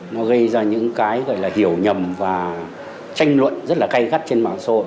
nó gây ra những cái hiểu nhầm và tranh luận rất là cay gắt trên mạng xã hội